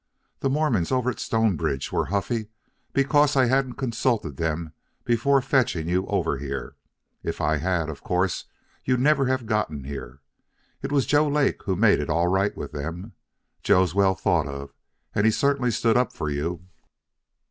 The Mormons over at Stonebridge were huffy because I hadn't consulted them before fetching you over here. If I had, of course you'd never have gotten here. It was Joe Lake who made it all right with them. Joe's well thought of, and he certainly stood up for you."